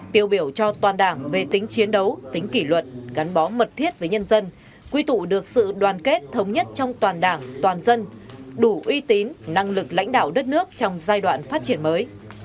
tiêu biểu cho toàn đảng về tính chiến đấu tính kỷ luật gắn bó mật thiết với nhân dân quy tụ được sự đoàn kết thống nhất trong toàn đảng toàn dân đủ uy tín năng lực lãnh đạo đất nước trong giai đoạn phát triển mới